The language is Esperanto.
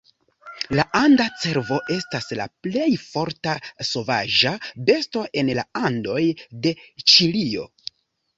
La anda cervo estas la plej forta sovaĝa besto en la Andoj de Ĉilio.